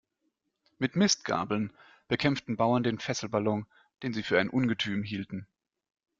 Mit Mistgabeln bekämpften Bauern den Fesselballon, den Sie für ein Ungetüm hielten.